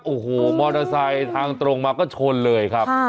โอ้โหมอเตอร์ไซค์ทางตรงมาก็ชนเลยครับ